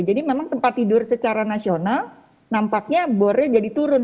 jadi memang tempat tidur secara nasional nampaknya bornya jadi turun